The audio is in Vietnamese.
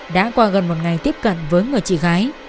đã qua gần một ngày tiếp cận với người chị gái